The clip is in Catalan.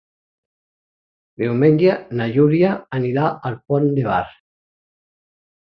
Diumenge na Júlia anirà al Pont de Bar.